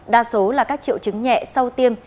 đa số là các triệu chứng nhẹ sau tiêm